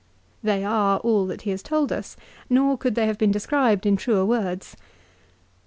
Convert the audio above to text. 6 They are all that he has told us, nor could they have been described in truer words.